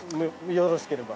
よろしければ。